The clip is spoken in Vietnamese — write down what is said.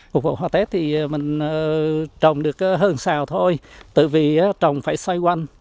phục vụ hoa tết thì mình trồng được hơn xào thôi tự vì trồng phải xoay quanh